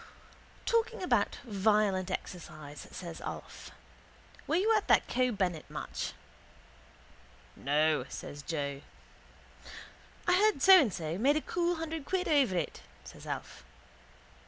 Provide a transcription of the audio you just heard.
—Talking about violent exercise, says Alf, were you at that Keogh Bennett match? —No, says Joe. —I heard So and So made a cool hundred quid over it, says Alf.